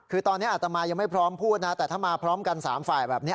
คือตอนนี้อาตมายังไม่พร้อมพูดนะแต่ถ้ามาพร้อมกัน๓ฝ่ายแบบนี้